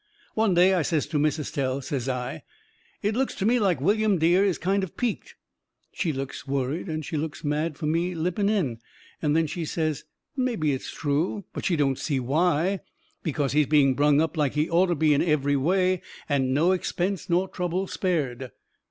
One day I says to Miss Estelle, says I: "It looks to me like William Dear is kind of peaked." She looks worried and she looks mad fur me lipping in, and then she says mebby it is true, but she don't see why, because he is being brung up like he orter be in every way and no expense nor trouble spared.